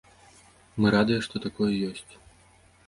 Мы радыя, што такое ёсць.